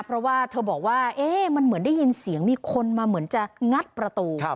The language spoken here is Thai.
เพราะว่าเธอบอกว่ามันเหมือนได้ยินเสียงมีคนมาเหมือนจะงัดประตู